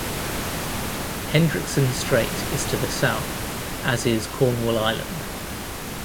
Hendriksen Strait is to the south, as is Cornwall Island.